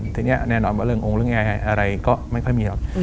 ทีนี้แน่นอนว่าเรื่ององค์เรื่องง่ายอะไรก็ไม่ค่อยมีหรอก